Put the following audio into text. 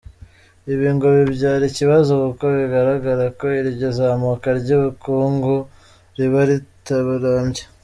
Ibi ngo bibyara ikibazo kuko bigaragara ko iryo zamuka ry’ ubukungu riba ritarambye.